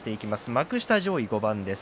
幕下上位５番です。